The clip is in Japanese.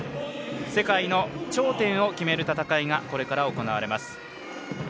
世界の頂点を決める戦いがこれから行われます。